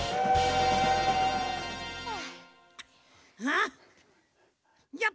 あっ